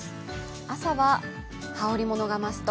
朝は羽織り物がマスト。